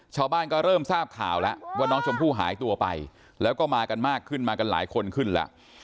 ชาวบ้านก็เริ่มทราบข่าวแล้วว่าน้องชมพู่หายตัวไปแล้วก็มากันมากขึ้นมากันหลายคนขึ้นแล้ว